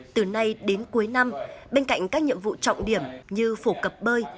từ nay đến cuối năm bên cạnh các nhiệm vụ trọng điểm như phổ cập bơi